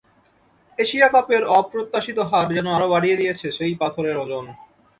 Asia কাপের অপ্রত্যাশিত হার যেন আরও বাড়িয়ে দিয়েছে সেই পাথরের ওজন।